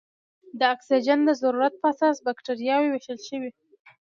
د اکسیجن د ضرورت په اساس بکټریاوې ویشل شوې.